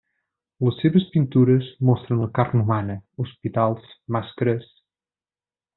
Les seves pintures mostren la carn humana, hospitals, màscares.